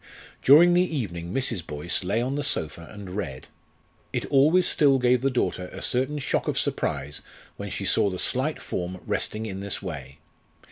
During the evening Mrs. Boyce lay on the sofa and read. It always still gave the daughter a certain shock of surprise when she saw the slight form resting in this way.